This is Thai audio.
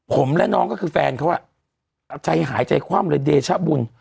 ผมและน้องก็คือแฟนเขาใจหายใจคว่ำเลยเดชะบุญ